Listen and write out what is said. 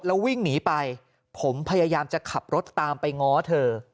แล้ววิ่งหนีไปผมพยายามจะขับรถตามไปง้อเธอ